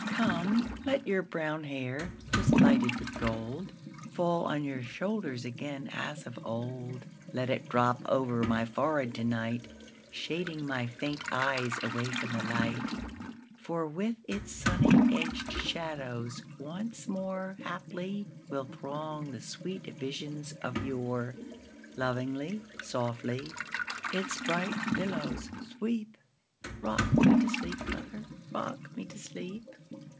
Come, let your brown hair, just lighted with gold, Fall on your shoulders again as of old; Let it drop over my forehead to night, Shading my faint eyes away from the light; For with its sunny edged shadows once moreHaply will throng the sweet visions of yore; Lovingly, softly, its bright billows sweep;—Rock me to sleep, mother,—rock me to sleep!